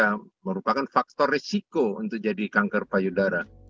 nah itu merupakan faktor risiko untuk jadi kanker payudara